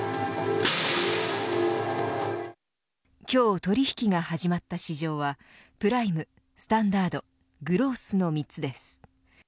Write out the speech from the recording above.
今日、取引が始まった市場はプライム、スタンダードグロースの３つです。